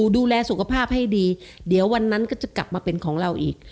ดูแลสุขภาพให้ดีเดี๋ยววันนั้นก็จะกลับมาเป็นของเราอีก